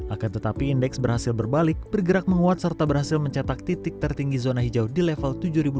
akan tetapi indeks berhasil berbalik bergerak menguat serta berhasil mencatat titik tertinggi zona hijau di level tujuh ribu dua ratus empat puluh lima